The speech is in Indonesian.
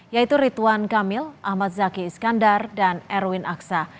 yaitu rituan kamil ahmad zaki iskandar dan erwin aksa